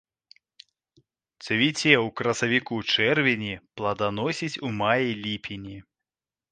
Цвіце ў красавіку-чэрвені, плоданасіць у маі-ліпені.